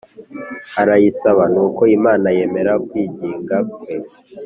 arayisaba nuko Imana yemera kwinginga kwe